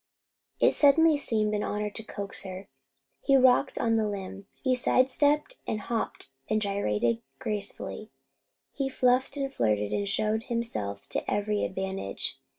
It suddenly seemed an honour to coax her. He rocked on the limb. He side stepped and hopped and gyrated gracefully. He fluffed and flirted and showed himself to every advantage.